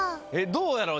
どうやろ？